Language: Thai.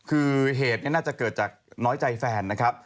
คือเหตุนี้น่าจะเกิดจากน้อยใจแฟนนะครับ